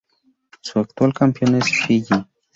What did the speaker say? Su actual campeón es Fiyi.